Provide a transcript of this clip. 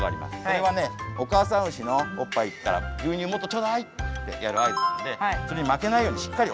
これはねお母さん牛のおっぱいから「牛乳もっとちょうだい」ってやる合図なのでそれにまけないようにしっかりおさえて。